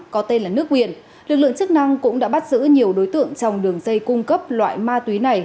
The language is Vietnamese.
có tên là nước nguyệt lực lượng chức năng cũng đã bắt giữ nhiều đối tượng trong đường dây cung cấp loại ma túy này